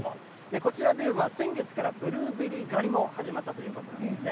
こちらでは先月からブルーベリー狩りも始まったということなんですね。